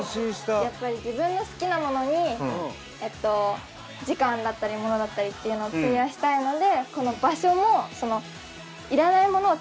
やっぱり自分の好きなものにえっと時間だったり物だったりっていうのを費やしたいのでこの。